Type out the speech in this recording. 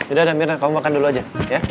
udah udah mirna kamu makan dulu aja ya